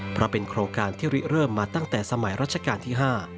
เพราะเป็นโครงการที่ริเริ่มมาตั้งแต่สมัยรัชกาลที่๕